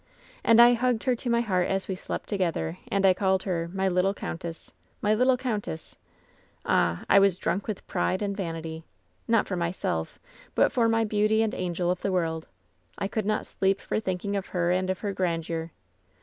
And I hugged her to my heart as we sl^t to gether, and I called her ^My little countess! My little countess I' Ah, I was drunk with pride and vanity. Not for myself, but for my beauty and angel of the world. I could not sleep for thinking of her and of her grandeur.